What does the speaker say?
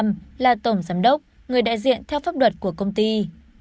ông trang ly là người giám đốc người đại diện theo pháp luật của công ty